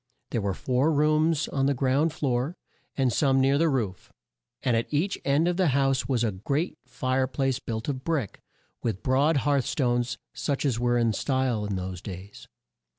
There were four rooms on the ground floor, and some near the roof, and at each end of the house was a great fire place built of brick, with broad hearth stones, such as were in style in those days.